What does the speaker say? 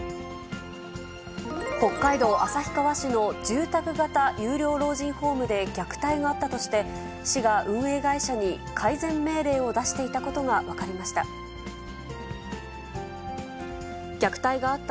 北海道旭川市の住宅型有料老人ホームで虐待があったとして、市が運営会社に改善命令を出していたことが分かりました。